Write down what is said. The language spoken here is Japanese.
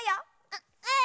ううん！